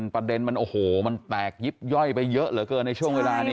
ประเด็นมันโอ้โหมันแตกยิบย่อยไปเยอะเหลือเกินในช่วงเวลานี้